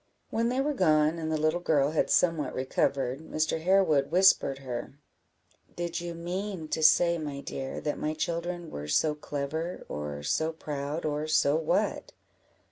When they were gone, and the little girl had somewhat recovered, Mr. Harewood whispered her "Did you mean to say, my dear, that my children were so clever, or so proud, or so what?"